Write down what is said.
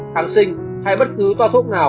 tháng sinh hay bất cứ toa thuốc nào